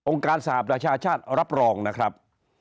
องค์การสหรับราชาชาติรับรองนะครับ